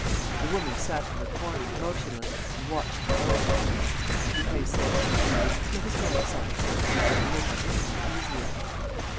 The woman sat in her corner, motionless, and watched them both. Lupin said: "Let us go outside, sir. That will make our interview easier."